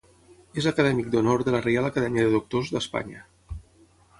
És acadèmic d'honor de la Reial Acadèmia de Doctors d'Espanya.